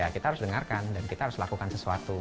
kita harus dengarkan dan kita harus lakukan sesuatu